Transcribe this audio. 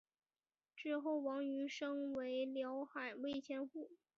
之后王瑜升为辽海卫千户。